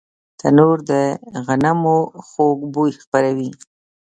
تنور د غنمو خوږ بوی خپروي